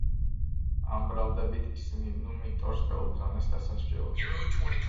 ამ ბრალდებით ისინი ნუმიტორს გაუგზავნეს დასასჯელად.